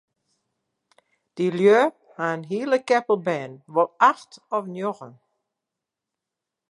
Dy lju ha in hiele keppel bern, wol acht of njoggen.